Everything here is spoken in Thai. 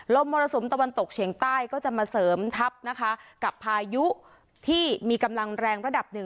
มมรสุมตะวันตกเฉียงใต้ก็จะมาเสริมทัพนะคะกับพายุที่มีกำลังแรงระดับหนึ่ง